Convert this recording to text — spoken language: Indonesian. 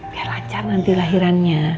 biar lancar nanti lahirannya